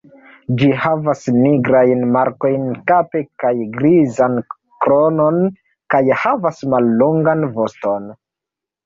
Ĝi havas nigrajn markojn kape kaj grizan kronon kaj havas mallongan voston.